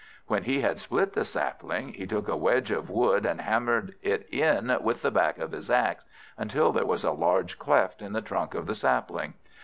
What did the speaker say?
When he had split the sapling, he took a wedge of wood, and hammered it in with the back of his axe, until there was a large cleft in the trunk of the sapling.